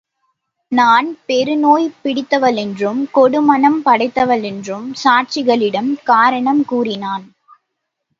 நான் பெருநோய் பிடித்தவளென்றும், கொடுமனம் படைத்தவளென்றும் சாட்சிகளிடம் காரணம் கூறினான்.